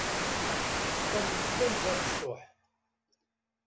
Tom yettban-d d abesṭuḥ.